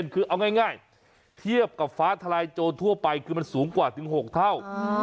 คือเอาง่ายเทียบกับฟ้าทลายโจรทั่วไปคือมันสูงกว่าถึง๖เท่า